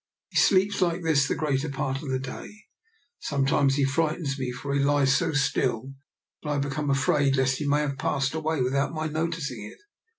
" He sleeps like this the greater part of the day. Some times he frightens me, for he lies so still that I become afraid lest he may have passed away without my noticing it."